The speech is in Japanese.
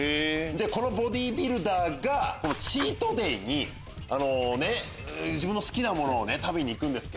このボディービルダーがチートデイに自分の好きなものを食べに行くんです。